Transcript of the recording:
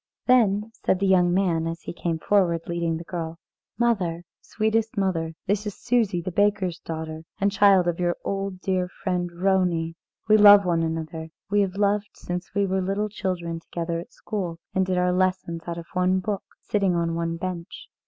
Then said the young man, as he came forward leading the girl: "Mother, sweetest mother, this is Susie, the baker's daughter, and child of your old and dear friend Vronie. We love one another; we have loved since we were little children together at school, and did our lessons out of one book, sitting on one bench.